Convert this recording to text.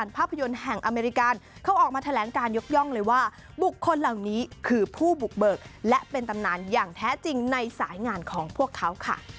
โปรดติดตามตอนต่อไป